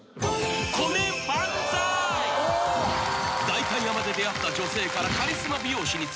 ［代官山で出会った女性からカリスマ美容師につながり